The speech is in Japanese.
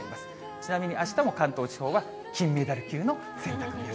ちなみにあしたも関東地方は金メダル級の洗濯日和。